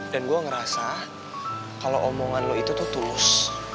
dan gua ngerasa kalo omongan lu itu tuh tulus